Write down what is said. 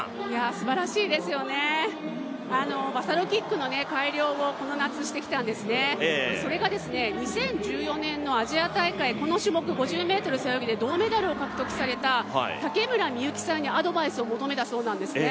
すばらしいですよね、バサロキックの改良をこの夏してきたんですね、それが２０１４年のアジア大会、この種目５０ｍ背泳ぎで銅メダルを獲得された竹村幸さんにアドバイスを求めたそうなんですね。